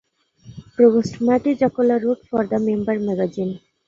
Provost Matti Jaakkola wrote for the member magazine.